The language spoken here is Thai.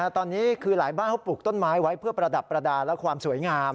ตอนนี้คือหลายบ้านเขาปลูกต้นไม้ไว้เพื่อประดับประดาษและความสวยงาม